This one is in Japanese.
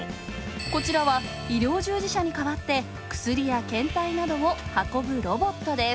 こちらは医療従事者に代わって薬や検体などを運ぶロボットです。